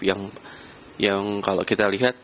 yang kalau kita lihat